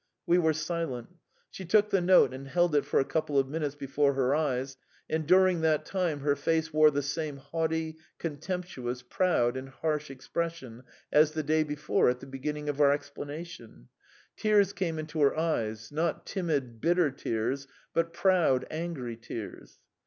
We were silent. She took the note and held it for a couple of minutes before her eyes, and during that time her face wore the same haughty, contemptuous, proud, and harsh expression as the day before at the beginning of our explanation; tears came into her eyes not timid, bitter tears, but proud, angry tears.